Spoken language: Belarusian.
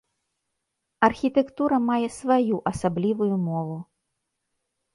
Архітэктура мае сваю асаблівую мову.